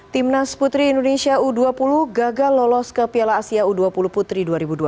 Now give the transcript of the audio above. timnas putri indonesia u dua puluh gagal lolos ke piala asia u dua puluh putri dua ribu dua puluh